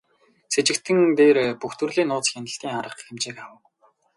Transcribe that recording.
Сэжигтэн дээр бүх төрлийн нууц хяналтын арга хэмжээг авав.